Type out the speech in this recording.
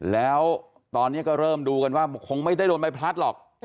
แล้วตอนนี้ก็เริ่มดูกันว่าคงไม่ได้โดนใบพลัดหรอก